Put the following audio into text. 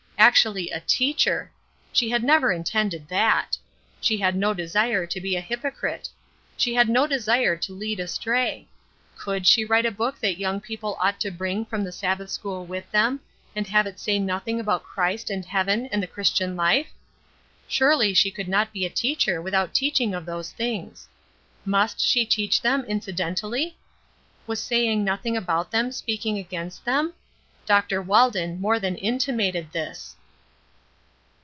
Actually a teacher. She had never intended that. She had no desire to be a hypocrite. She had no desire to lead astray. Could she write a book that young people ought to bring from the Sabbath school with them, and have it say nothing about Christ and heaven and the Christian life? Surely she could not be a teacher without teaching of these things. Must she teach them incidentally? Was saying nothing about them speaking against them? Dr. Walden more than intimated this.